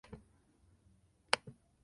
El caso nunca fue esclarecido.